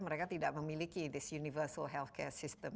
mereka tidak memiliki this universal healthcare system